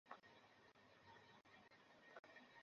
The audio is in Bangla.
ছোকরা, আমি চশমা নিয়ে আসিনি।